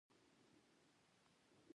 خپلې سیاسي او فکري بیانیې همغه دي.